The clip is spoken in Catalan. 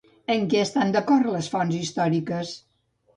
En què estan d'acord les fonts històriques?